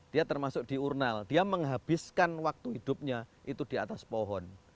dia termasuk diurnal dia menghabiskan waktu hidupnya itu di atas pohon